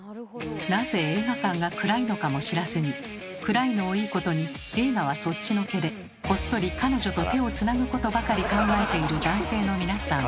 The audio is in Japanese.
なぜ映画館が暗いのかも知らずに暗いのをいいことに映画はそっちのけでこっそり彼女と手をつなぐことばかり考えている男性の皆さん。